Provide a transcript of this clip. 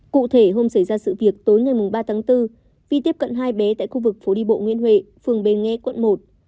cụ thể hôm xảy ra sự việc tối ngày ba tháng bốn vi tiếp cận hai bé tại khu vực phố đi bộ nguyễn huệ phường bến nghe quận một